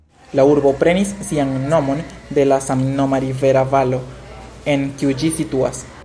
La urbo prenis sian nomon de la samnoma rivera valo, en kiu ĝi situas.